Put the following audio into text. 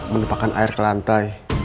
menupakan air ke lantai